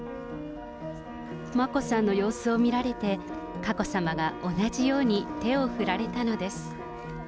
眞子さんの様子を見られて、佳子さまが同じように手を振られたのです。